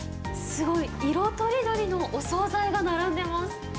すごい、色とりどりのお総菜が並んでます。